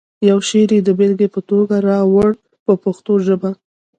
یو شعر یې د بېلګې په توګه راوړو په پښتو ژبه.